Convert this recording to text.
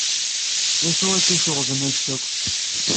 D acu k-iceɣben anect-a akk?